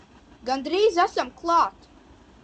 Gandrīz esam klāt!